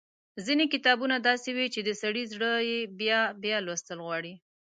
ځينې کتابونه داسې وي چې د سړي زړه يې بيا بيا لوستل غواړي۔